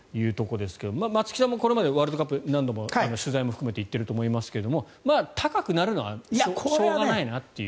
松木さんもこれまでワールドカップ何度も取材を含めて行っていると思いますが高くなるのがしょうがないという。